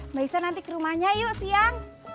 mbak isa nanti ke rumahnya yuk siang